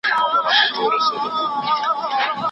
تندر غورځولی یمه څاڅکی د باران یمه